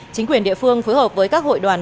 chính quyền địa phương phối hợp với các hội đoàn